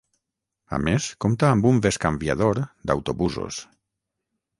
A més compta amb un bescanviador d'autobusos.